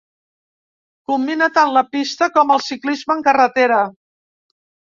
Combina tant la pista com el ciclisme en carretera.